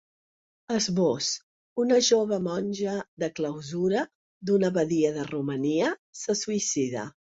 Esbós: Una jove monja de clausura d’una abadia de Romania se suïcida.